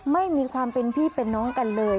ไม่มีความเป็นพี่เป็นน้องกันเลย